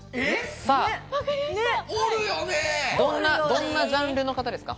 どんなジャンルの方ですか？